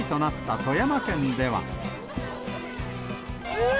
うわ！